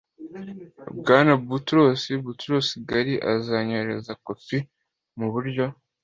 bwana boutros boutros ghali azanyoherereza kopi mu buryo